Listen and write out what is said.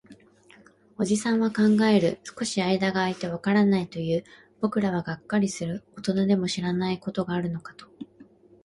おじさんは考える。少し間が空いて、わからないと言う。僕らはがっかりする。大人でも知らないことがあるのかと。